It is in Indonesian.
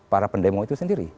para pendemo itu sendiri